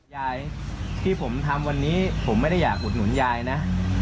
ยายที่ผมทำวันนี้ผมไม่ได้อยากอุดหนุนยายนะ